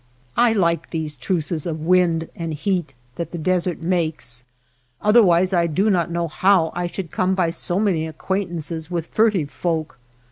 I like these truces of wind and heat that the desert makes, otherwise I do not know how I should come by so many acquaintances with furtive folk.